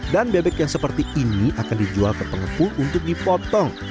dan bebek yang seperti ini akan dijual ke pengepul untuk dipotong